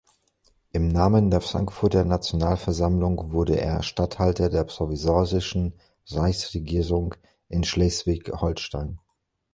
Im Namen der Frankfurter Nationalversammlung wurde er "Statthalter der provisorischen Reichsregierung" in Schleswig-Holstein.